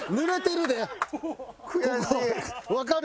わかる？